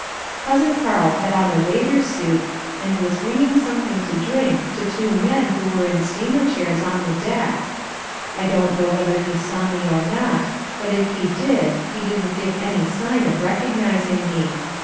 Cousin Karl had on a waiter's suit and was bringing something to drink to two men who were in steamer chairs on the deck. I don't know whether he saw me or not, but if he did he didn't give any sign of recognizing me.